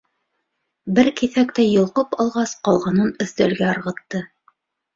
Бер киҫәктәй йолҡоп алғас, ҡалғанын өҫтәлгә ырғытты.